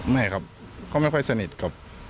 ไม่ครับเขาไม่ค่อยสนิทครับ